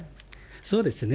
そうですね。